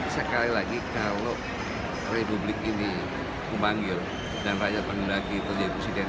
sekali lagi kalau republik ini memanggil dan rakyat menundaki itu jadi presiden